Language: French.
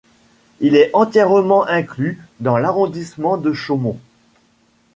Il est entièrement inclus dans l'arrondissement de Chaumont.